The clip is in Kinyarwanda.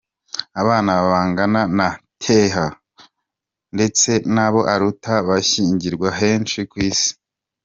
Abana bangana na Thea ndetse n'abo aruta barashyingirwa henshi ku isi.